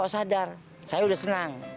saya udah senang